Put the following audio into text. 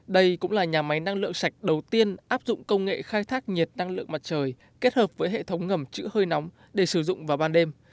đây cũng là nhà máy năng lượng sạch đầu tiên áp dụng công nghệ khai thác nhiệt năng lượng mặt trời kết hợp với hệ thống ngầm chữ hơi nóng để sử dụng vào ban đêm